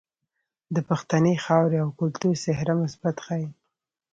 د پښتنې خاورې او کلتور څهره مثبت ښائي.